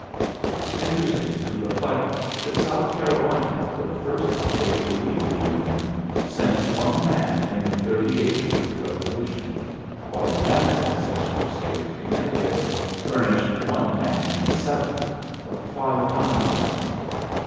It is interest ng to reflect that South Carolina, the list state to leave the Union, sent one nan in thirty eight to the Eevolution, rhile Oranf s ancestral state, Connecti cut, famished one man in seven, or five imes as many.